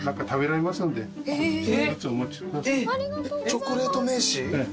チョコレート名刺？